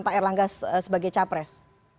pak erlangga sebagai tapres